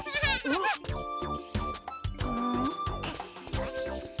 よし。